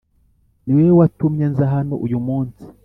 niwowe watumye nza hano uyu munsi